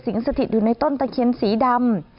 สถิตอยู่ในต้นตะเคียนสีดำ